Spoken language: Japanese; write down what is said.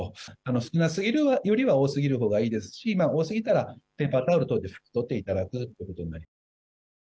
少なすぎるよりは多すぎるほうがいいですし多すぎたら、ペーパータオル等で拭き取っていただくことに。